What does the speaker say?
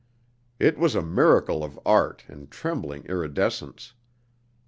It was a miracle of art and trembling iridescence.